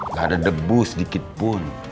gak ada debu sedikit pun